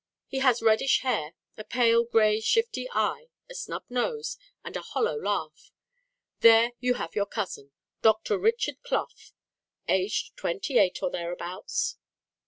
He has reddish hair, a pale grey shifty eye, a snub nose, and a hollow laugh. There you have your cousin Dr. Richard Clough, aged twenty eight or thereabouts.